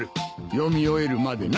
読み終えるまでな。